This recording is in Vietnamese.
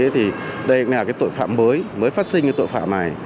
thì đây là cái tội phạm mới mới phát sinh cái tội phạm này